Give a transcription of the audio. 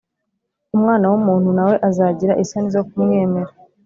Umwana w umuntu na we azagira isoni zo kumwemera